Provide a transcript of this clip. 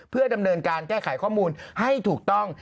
เพื่อดำเนินการแก้ไขข้อมูลให้ถูกต้อง